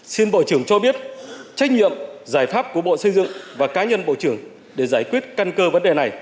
xin bộ trưởng cho biết trách nhiệm giải pháp của bộ xây dựng và cá nhân bộ trưởng để giải quyết căn cơ vấn đề này